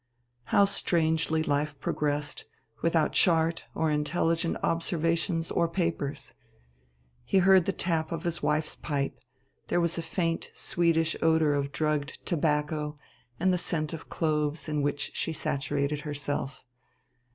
How strangely life progressed, without chart or intelligent observations or papers! He heard the tap of his wife's pipe; there was a faint sweetish odor of drugged tobacco and the scent of cloves in which she saturated herself.